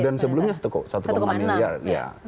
dan sebelumnya satu enam